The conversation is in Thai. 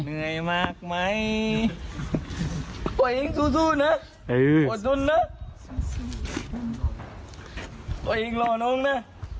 เหนื่อยมากไหมตัวเองสู้นะอดทนนะตัวเองรอน้องนะ